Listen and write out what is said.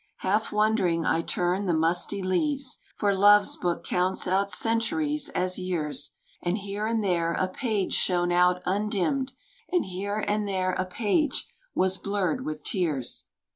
Half wondering, I turned the musty leaves, For Love's book counts out centuries as years, And here and there a page shone out undimmed, And here and there a page was blurred with tears.